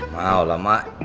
mau lah mak